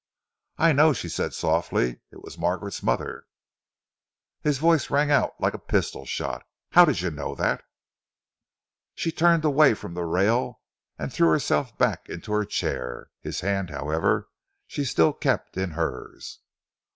"I know," she said softly. "It was Margaret's mother." His voice rang out like a pistol shot. "How did you know that?" She turned away from the rail and threw herself back in her chair. His hand, however, she still kept in hers.